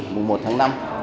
mùa một tháng năm